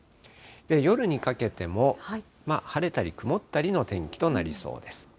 夜にかけても、晴れたり曇ったりの天気となりそうです。